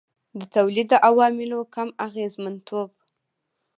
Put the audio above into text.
د تولید د عواملو کم اغېزمنتوب.